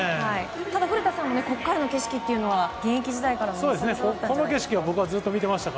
ただ、古田さんもここからの景色というのは僕はずっと見てました。